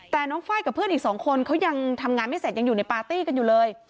แต่น้องไฟล์กับเพื่อนอีกสองคนเขายังทำงานไม่เสร็จยังอยู่ในปาร์ตี้กันอยู่เลย